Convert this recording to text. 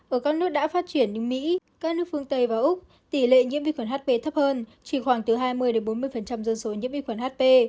ở các nước đã phát triển như mỹ các nước phương tây và úc tỷ lệ nhiễm vi khuẩn hp thấp hơn chỉ khoảng từ hai mươi bốn mươi dân số nhiễm vi khuẩn hp